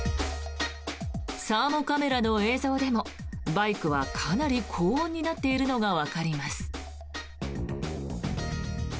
サーモカメラの映像でもバイクはかなり高温になっているのがわかります。